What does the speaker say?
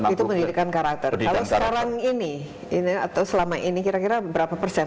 itu pendidikan karakter kalau sekarang ini atau selama ini kira kira berapa persen